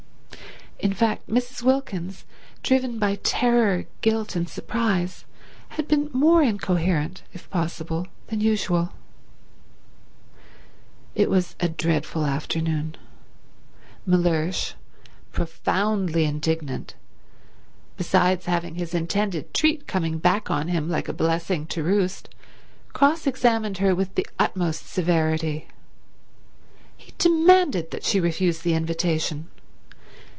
In fact Mrs. Wilkins, driven by terror, guilt and surprise, had been more incoherent if possible than usual. It was a dreadful afternoon. Mellersh, profoundly indignant, besides having his intended treat coming back on him like a blessing to roost, cross examined her with the utmost severity. He demanded that she refuse the invitation.